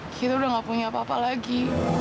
kita udah gak punya papa lagi